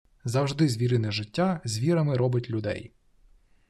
Завжди звірине життя звірами робить людей.